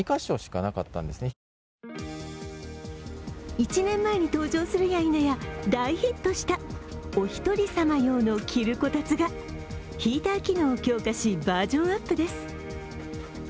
１年前に登場するやいなや大ヒットしたお一人様用の着るこたつがヒーター機能を強化し、バージョンアップです。